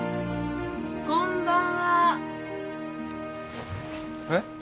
・こんばんはえッ？